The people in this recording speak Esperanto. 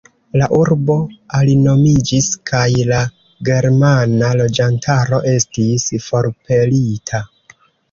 La urbo alinomiĝis kaj la germana loĝantaro estis forpelita.